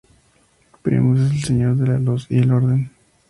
Primus es el Señor de la Luz y el Orden.